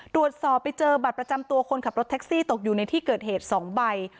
ตรวจสอบไปเจอบัตรประจำตัวคนขับรถแท็กซี่ตกอยู่ในที่เกิดเหตุ๒ใบ